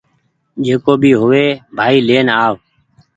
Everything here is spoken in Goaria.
جڪو بي هووي ڀآئي لين آو